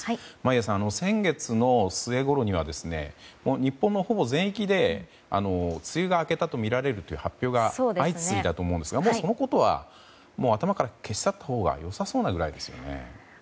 眞家さん、先月の末ごろには日本のほぼ全域で梅雨が明けたとみられるという発表が相次いだと思いますがもう、そのことは頭から消し去ったほうが良さそうなくらいですよね。